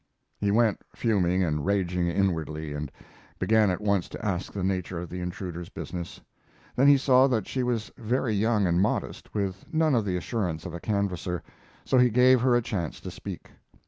He went, fuming and raging inwardly, and began at once to ask the nature of the intruder's business. Then he saw that she was very young and modest, with none of the assurance of a canvasser, so he gave her a chance to speak.